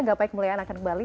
gak baik muliaan akan kembali